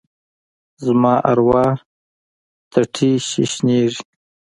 زما اروا څټي ششنیږې